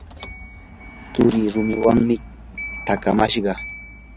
turii rumiwanmi takamashqa.